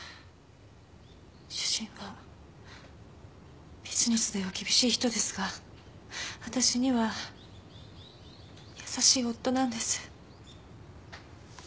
主人はビジネスでは厳しい人ですが私には優しい夫なんです。